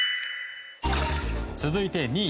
続いて２位。